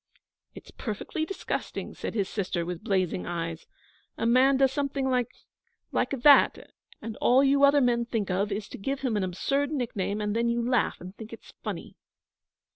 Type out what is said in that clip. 'It's perfectly disgusting,' said his sister, with blazing eyes. 'A man does something like like that and all you other men think of is to give him an absurd nickname, and then you laugh and think it's funny.'